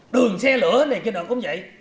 đường xe lửa này kia nọ cũng vậy